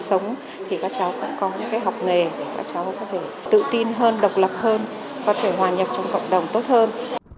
sống thì các cháu cũng có những học nghề để các cháu có thể tự tin hơn độc lập hơn có thể hòa nhập trong cộng đồng tốt hơn